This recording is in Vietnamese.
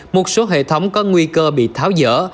một số hệ thống có nguy cơ bị tháo dỡ